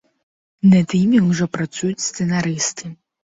Над імі ўжо працуюць сцэнарысты.